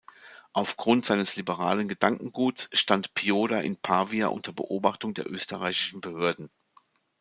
Aufgrund seines liberalen Gedankenguts stand Pioda in Pavia unter Beobachtung der österreichischen Behörden.